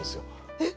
えっ？